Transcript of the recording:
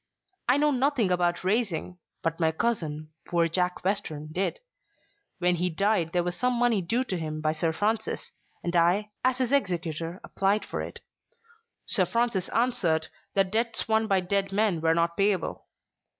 I know nothing about racing, but my cousin, poor Jack Western, did. When he died, there was some money due to him by Sir Francis, and I, as his executor, applied for it. Sir Francis answered that debts won by dead men were not payable.